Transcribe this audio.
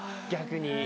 逆に。